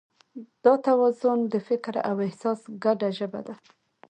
دا توازن د فکر او احساس ګډه ژبه ده.